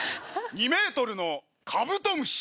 ２ｍのカブトムシ。